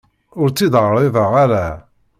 Ur tt-id-ɛriḍeɣ ara.